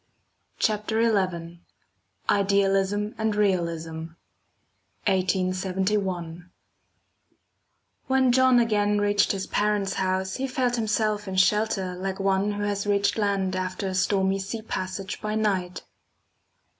CHAPTER XI IDEALISM AND REALISM (1871) When John again reached his parents' house, he felt himself in shelter like one who has reached land after a stormy sea passage by night.